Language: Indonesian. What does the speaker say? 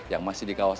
yang masih dikeluarkan